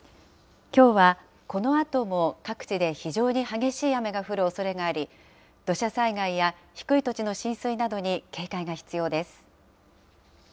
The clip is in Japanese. きょうはこのあとも各地で非常に激しい雨が降るおそれがあり、土砂災害や低い土地の浸水などに警戒が必要です。